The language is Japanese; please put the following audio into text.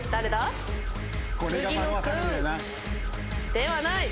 ではない。